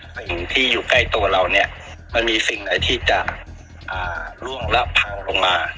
สิ่งที่อยู่ใกล้ตัวเราเนี่ยมันมีสิ่งไหนที่จะล่วงละเผ่าลงมา